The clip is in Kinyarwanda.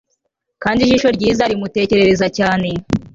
kandi ijisho ryiza rimutekereza cyane